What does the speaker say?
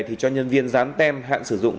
thì cho nhân viên dán tem hạn sử dụng